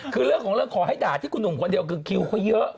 คือเรื่องของเรื่องขอให้ด่าที่คุณหนุ่มคนเดียวคือคิวเขาเยอะ